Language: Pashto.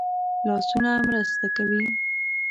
لاسونه مرسته کوي